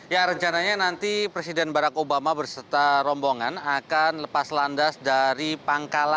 ya rencananya nanti presiden barack obama berserta rombongan akan lepas landas dari pangkalan